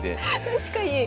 確かに。